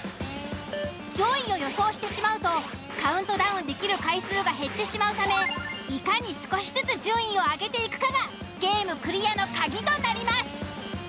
上位を予想してしまうとカウントダウンできる回数が減ってしまうためいかに少しずつ順位を上げていくかがゲームクリアの鍵となります。